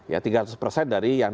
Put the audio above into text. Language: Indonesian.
ya tiga ratus persen dari yang